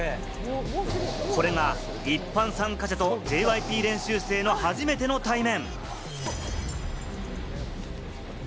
これが一般参加者とＪＹＰ練習生の初めての対面。